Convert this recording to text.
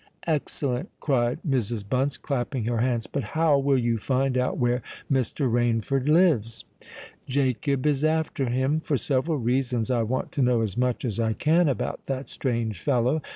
"Excellent!" cried Mrs. Bunce, clapping her hands, "But how will you find out where Mr. Rainford lives?" "Jacob is after him. For several reasons I want to know as much as I can about that strange fellow.